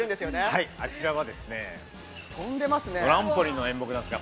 ◆はい、あちらは、トランポリンの演目なんですが。